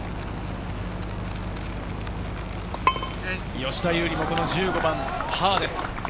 吉田優利も１５番、パーです。